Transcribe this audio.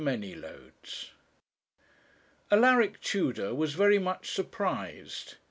MANYLODES Alaric Tudor was very much surprised.